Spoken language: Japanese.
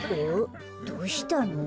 どうしたの？